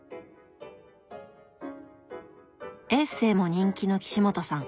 エッセーも人気の岸本さん。